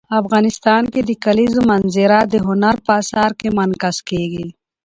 افغانستان کې د کلیزو منظره د هنر په اثار کې منعکس کېږي.